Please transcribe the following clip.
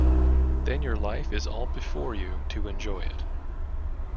Then your life is all before you to enjoy it.